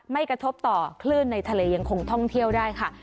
กระทบต่อคลื่นในทะเลยังคงท่องเที่ยวได้ค่ะ